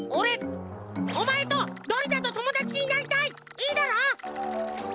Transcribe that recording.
いいだろ？